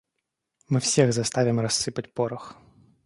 Мы всех заставим рассыпать порох.